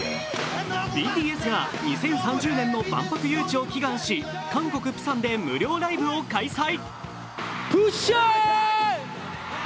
ＢＴＳが２０３０年の万博誘致を祈願し韓国プサンで無料ライブを開催。